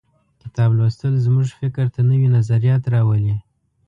کتاب لوستل زموږ فکر ته نوي نظریات راولي.